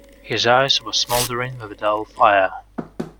His eyes were smouldering with a dull fire.